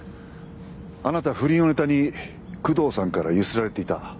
あなた不倫をネタに工藤さんから強請られていた。